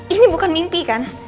ini bukan mimpi kan